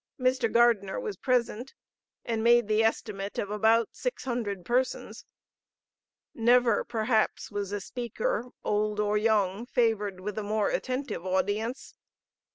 Mr. Gardener was present, and made the estimate of about six hundred persons. Never, perhaps, was a speaker, old or young, favored with a more attentive audience....